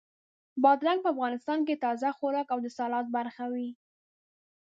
بادرنګ په افغانستان کې تازه خوراک او د سالاد برخه وي.